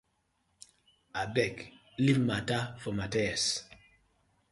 Abeg leave mata for Mathi.